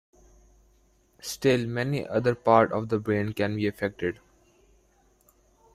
Still, many other part of the brain can be affected.